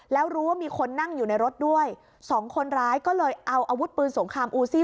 แล้วรู้ว่ามีคนนั่งอยู่ในรถด้วยสองคนร้ายก็เลยเอาอาวุธปืนสงครามอูซี่